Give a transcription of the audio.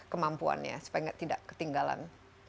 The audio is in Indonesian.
kemampuannya supaya tidak ketinggalan